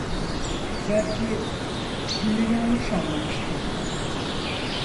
Belki günü yanlış anlamıştı…